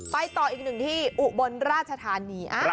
ต่ออีกหนึ่งที่อุบลราชธานี